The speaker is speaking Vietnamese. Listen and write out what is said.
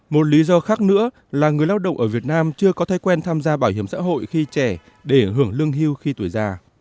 một lý do khác nữa là người lao động ở việt nam chưa có thói quen tham gia bảo hiểm xã hội khi trẻ để hưởng lương hưu khi tuổi già